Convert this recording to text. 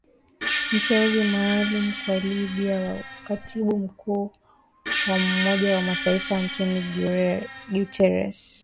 mshauri maalum kwa Libya wa katibu mkuu wa Umoja wa Mataifa Antonio Guterres